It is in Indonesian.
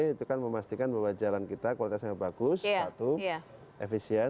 itu kan memastikan bahwa jalan kita kualitasnya bagus satu efisien